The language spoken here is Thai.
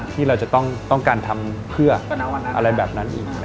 ที่เราจะต้องการทำเพื่ออะไรแบบนั้นอีก